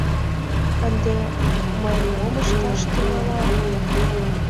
Ынде мый мом ышташ тӱҥалам?